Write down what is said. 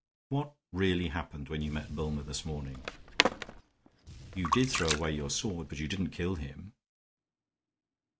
What really happened when you met Bulmer this morning? You did throw away your sword, but you didn't kill him."